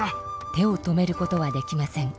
手を止めることはできません。